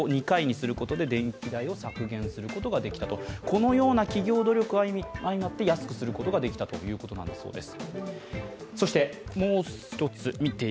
このような企業努力が相まって安くすることができたということなんです。